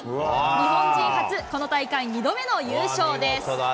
日本人初、この大会２度目の優勝です。